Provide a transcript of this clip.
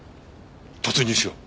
突入しよう。